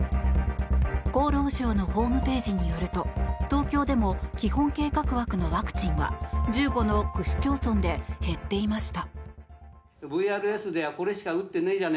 厚労省のホームページによると東京でも基本計画枠のワクチンは１５の区市町村で減っていました。